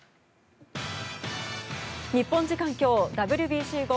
日本時間今日ＷＢＣ後